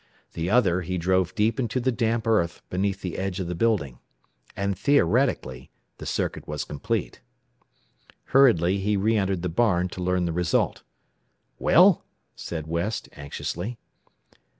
The other he drove deep into the damp earth beneath the edge of the building. And, theoretically, the circuit was complete. Hurriedly he re entered the barn to learn the result. "Well?" said West anxiously.